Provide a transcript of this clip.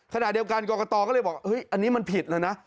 ขณะเดียวกันกรกตก็เลยบอกอันนี้มันผิดแล้วนะ